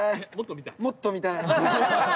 もっと見たい？